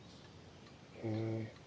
へえ。